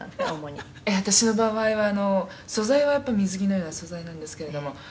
「私の場合はあの素材はやっぱり水着のような素材なんですけれども」